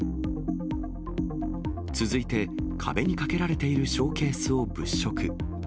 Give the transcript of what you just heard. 続いて、壁に掛けられているショーケースを物色。